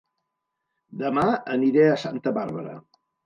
Dema aniré a Santa Bàrbara